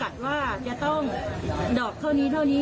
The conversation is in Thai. ลักษณะยังไงบ้าง